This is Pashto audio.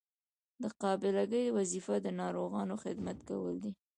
د قابله ګۍ وظیفه د ناروغانو خدمت کول دي.